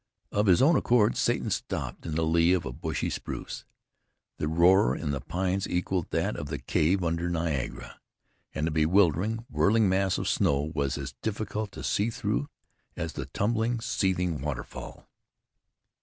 Of his own accord Satan stopped in the lee of a bushy spruce. The roar in the pines equaled that of the cave under Niagara, and the bewildering, whirling mass of snow was as difficult to see through as the tumbling, seething waterfall.